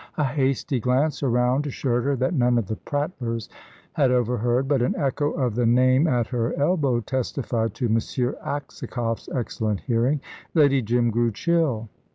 A hasty glance around assured her that none of the prattlers had overheard; but an echo of the name at her elbow testified to Monsieur Aksakoff's excellent hearing. Lady Jim grew chill.